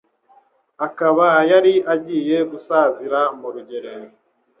akaba yari agiye gusazira mu rugerero